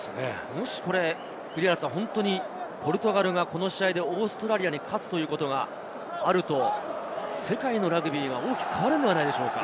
もし本当にポルトガルがこの試合でオーストラリアに勝つということがあると世界のラグビーが大きく変わるんではないでしょうか。